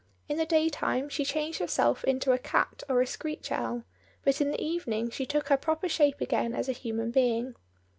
In the day time she changed herself into a cat or a screech owl, but in the evening she took her proper shape again as a human being.